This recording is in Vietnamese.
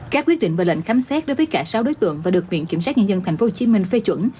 các quyết định và lệnh khám xét đối với cả sáu đối tượng và được viện kiểm sát nhân dân tp hcm phê chuẩn